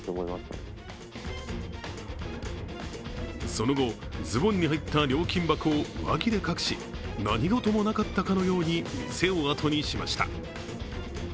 その後、ズボンに入った料金箱を上着で隠し、何事もなかったかのように店を後にしました。